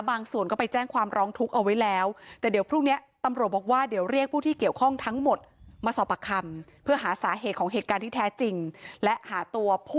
บางส่วนก็ไปแจ้งความร้องทุกข์เอาไว้แล้ว